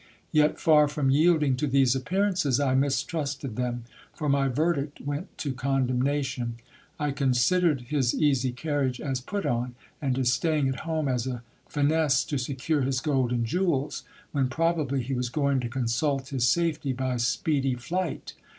Yet far from yielding to these appearances, I mistrusted them ; for my verdict went to condemnation. I considered his easy carriage as put on ; and his stay ing at home as a finesse to secure his gold and jewels, when probably he was going to consult his safety by speedy flight.